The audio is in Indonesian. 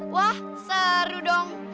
wah seru dong